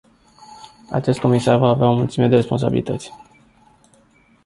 Acest comisar va avea o mulțime de responsabilități.